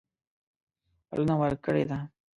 بلنه ورکړې ده.